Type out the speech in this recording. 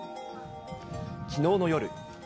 きのうの夜。